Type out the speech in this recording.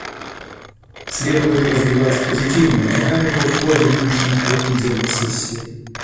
Следует развивать позитивную динамику в ходе нынешней трехнедельной сессии.